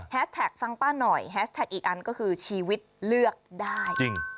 แท็กฟังป้าหน่อยแฮชแท็กอีกอันก็คือชีวิตเลือกได้จริง